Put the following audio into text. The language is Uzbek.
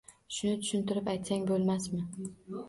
Shuni tushuntirib aytsang bo’lmasmi?